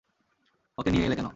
ওকে নিয়ে এলে কেন?